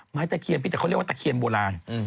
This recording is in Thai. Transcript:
ตะเคียนพี่แต่เขาเรียกว่าตะเคียนโบราณ